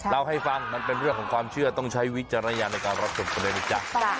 เราให้ฟังมันเป็นเรื่องของความเชื่อต้องใช้วิจารณ์ในการรับส่วนผลกระทบจาก